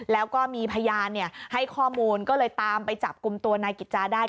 แล้วก็มีพยานให้ข้อมูลก็เลยตามไปจับกลุ่มตัวนายกิจจาได้